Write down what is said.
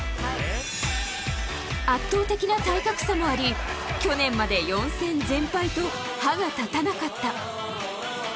圧倒的な体格差もあり去年まで４戦全敗と歯が立たなかった。